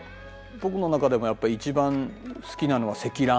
僕の中でもやっぱり一番好きなのは積乱雲なんですよね。